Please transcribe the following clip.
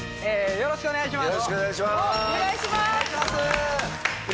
よろしくお願いします。